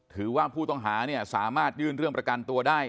ถือว่าผู้ต้องหาเนี่ยสามารถยื่นเรื่องประกันตัวได้